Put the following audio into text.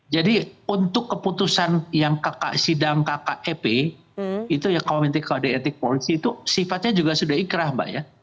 jadi untuk keputusan yang sidang kkep itu ya komitik kode etik polisi itu sifatnya juga sudah ikrah mbak ya